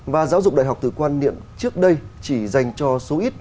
và giáo dục đại học từ quan niệm trước đây chỉ dành cho số ít